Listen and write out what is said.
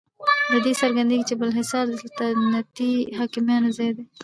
له دې څرګندیږي چې بالاحصار د سلطنتي حاکمانو ځای و.